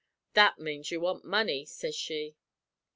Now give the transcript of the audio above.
'That manes you want money,' sez she.